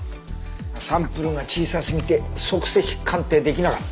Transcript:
サンプルが小さすぎて足跡鑑定出来なかった。